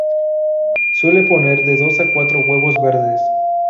Suele poner de dos a cuatro huevos verdes.